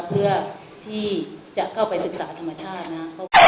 เพื่อที่จะเข้าไปศึกษาธรรมชาตินะ